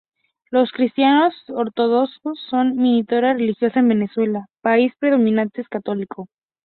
Los cristianos ortodoxos son minoría religiosa en Venezuela, país predominantemente católico.